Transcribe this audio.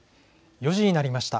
４時になりました。